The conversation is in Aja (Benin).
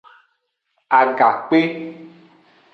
Agakpe.